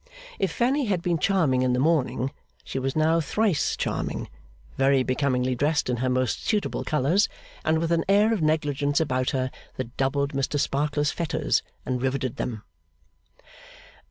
If Fanny had been charming in the morning, she was now thrice charming, very becomingly dressed in her most suitable colours, and with an air of negligence upon her that doubled Mr Sparkler's fetters, and riveted them.